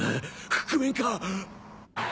覆面か？